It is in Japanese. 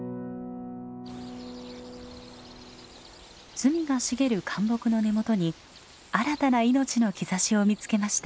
ズミが茂る灌木の根元に新たな命の兆しを見つけました。